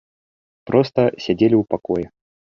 Проста сядзелі ў пакоі.